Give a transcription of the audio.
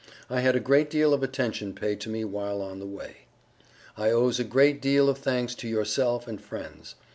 I had a great deal of attention paid to me while on the way. I owes a great deel of thanks to yourself and friends.